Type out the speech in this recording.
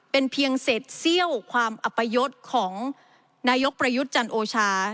เป็นเพียงเศษเซี่ยวความอัปยศของนายกประยุทธ์จันโอชา